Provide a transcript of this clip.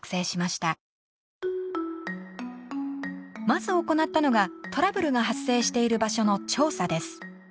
まず行ったのがトラブルが発生している場所の調査です。